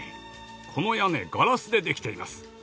この屋根ガラスでできています。